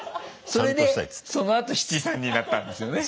それでそのあと七三になったんですよね。